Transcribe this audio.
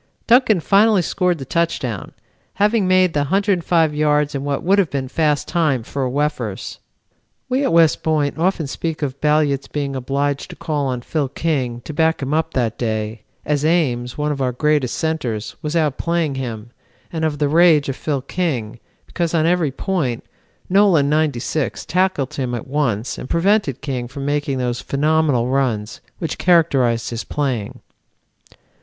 Duncan finally scored the touchdown, having made the 105 yards in what would have been fast time for a Wefers. "We at West Point often speak of Balliet's being obliged to call on Phil King to back him up that day, as Ames, one of our greatest centres, was outplaying him, and of the rage of Phil King, because on every point, Nolan, '96, tackled him at once and prevented King from making those phenomenal runs which characterized his playing."